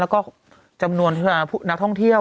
แล้วก็จำนวนนักท่องเที่ยว